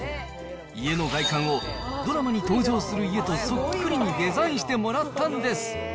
家の外観をドラマに登場する家とそっくりにデザインしてもらったんです。